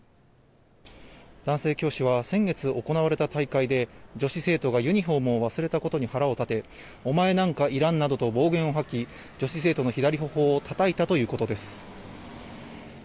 男性教師は先月、行われた大会で女子生徒がユニホームを忘れたことに腹を立てお前なんかいらんなどと暴言を吐き女子生徒の左ほほをたたいたということです。